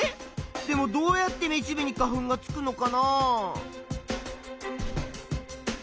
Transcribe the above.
でもどうやってめしべに花粉がつくのかな？